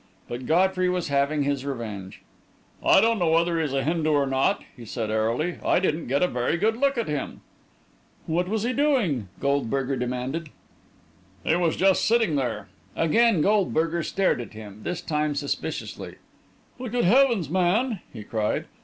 But Godfrey was having his revenge. "I don't know whether he's a Hindu or not," he said, airily. "I didn't get a very good look at him." "What was he doing?" Goldberger demanded. "He was just sitting there." Again Goldberger stared at him, this time suspiciously. "But, good heavens, man!" he cried.